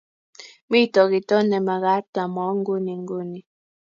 mito kito ne mekat amwoun nguni nguni